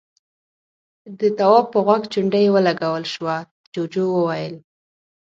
د تواب په غوږ چونډۍ ولګول شوه، جُوجُو وويل: